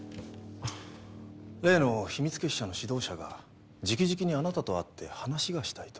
例の秘密結社の指導者が直々にあなたと会って話がしたいと。